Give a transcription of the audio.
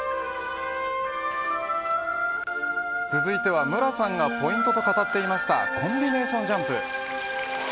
続いては無良さんがポイントと語っていましたコンビネーションジャンプ。